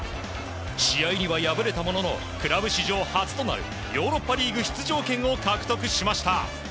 試合には敗れたもののクラブ史上初となるヨーロッパリーグ出場権を獲得しました。